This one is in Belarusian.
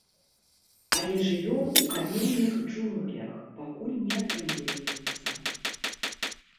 Але жывём у каменных джунглях, пакуль не атрымліваецца.